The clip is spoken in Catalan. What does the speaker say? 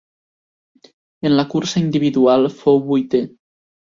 En la cursa individual fou vuitè.